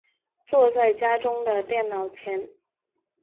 坐在家中的电脑前